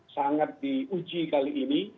sangat diuji kali ini